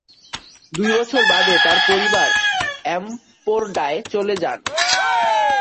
দুই বছর বাদে তার পরিবার এমপোরডায় চলে যান।